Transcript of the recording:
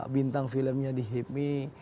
bintang filmnya di hipmi